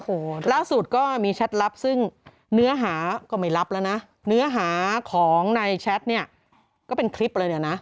โอ้โหล่าสุดก็มีแชทลับซึ่งเนื้อหาก็ไม่รับแล้วนะเนื้อหาของในแชทเนี่ยก็เป็นคลิปเลยเนี่ยนะ